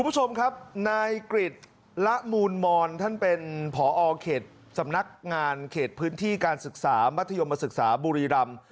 คุณผู้ชมครับนายกริจละมูลมอนท่านเป็นผอเขตสำนักงานเขตพื้นที่การศึกษามัธยมศึกษาบุรีรำ